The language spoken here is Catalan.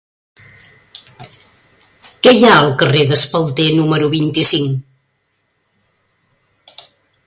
Què hi ha al carrer d'Espalter número vint-i-cinc?